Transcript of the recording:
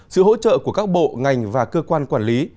sự hỗ trợ của các bộ ngành và cơ quan quản lý